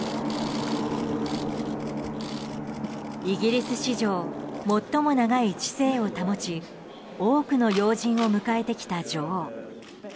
イギリス史上最も長い治世を保ち多くの要人を迎えてきた女王。